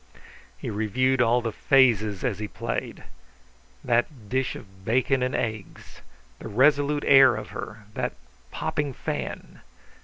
He reviewed all the phases as he played. That dish of bacon and eggs, the resolute air of her, that popping fan!